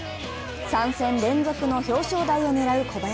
３戦連続の表彰台を狙う小林。